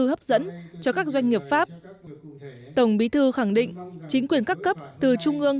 hấp dẫn cho các doanh nghiệp pháp tổng bí thư khẳng định chính quyền các cấp từ trung ương